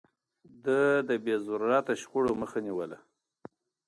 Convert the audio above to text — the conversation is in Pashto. ده د بې ضرورته شخړو مخه نيوله.